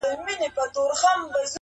چپ سه چـــپ ســــه نور مــه ژاړه